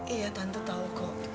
iya tante tau kok